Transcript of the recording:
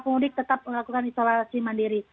pemudik tetap melakukan isolasi mandiri